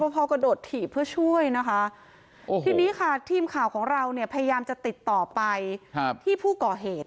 พอกระโดดถีบเพื่อช่วยนะคะทีนี้ค่ะทีมข่าวของเราเนี่ยพยายามจะติดต่อไปที่ผู้ก่อเหตุ